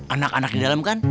anak anak di dalam kan